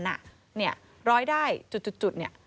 ร้อยได้จุดเนี่ย